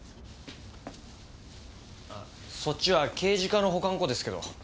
そっちは刑事課の保管庫ですけど。